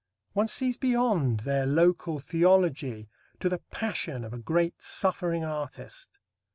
One sees beyond their local theology to the passion of a great suffering artist.